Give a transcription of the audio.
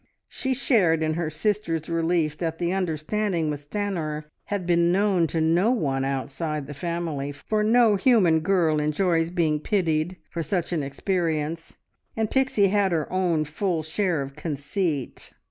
She shared in her sister's relief that the understanding with Stanor had been known to no one outside the family, for no human girl enjoys being pitied for such an experience, and Pixie had her own full share of conceit.